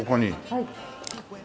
はい。